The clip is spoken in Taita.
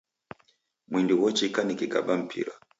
Mwindi ghochika nikikaba mpira